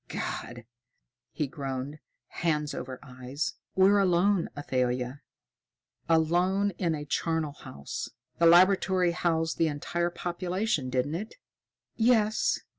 "God!" he groaned, hands over eyes. "We're alone, Athalia! Alone in a charnal house. The laboratory housed the entire population, didn't it?" "Yes.